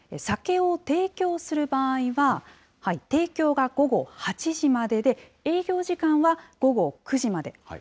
酒を提供する場合は、提供が午後８時までで、営業時間は午後９時まで。